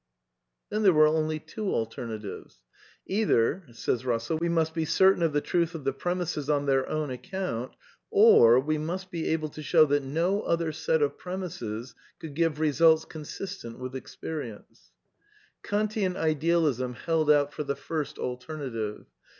'* Then there were only two alternatives: ^'Either we must be certain of the truth of the premisses on their own account, or we must be able to show that no other set of premisses could give results consistent with experienca" Kantian Idealism held out for the first alternative.